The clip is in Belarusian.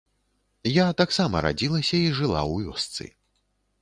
Я таксама радзілася і жыла ў вёсцы.